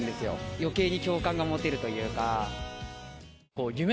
余計に共感が持てるというか。